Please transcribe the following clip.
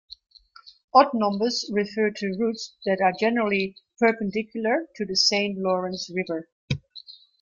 Odd numbers refer to routes that are generally perpendicular to the Saint Lawrence River.